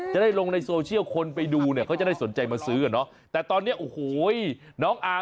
จะได้ลงในโซเชียลคนไปดูเขาจะได้สนใจมาซื้อกันเนาะ